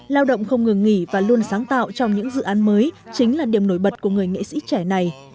lao động không ngừng nghỉ và luôn sáng tạo trong những dự án mới chính là điểm nổi bật của người nghệ sĩ trẻ này